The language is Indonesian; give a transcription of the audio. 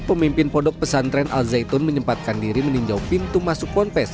pemimpin pondok pesantren al zaitun menyempatkan diri meninjau pintu masuk ponpes